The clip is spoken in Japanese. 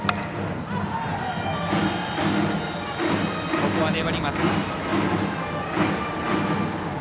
ここは粘ります。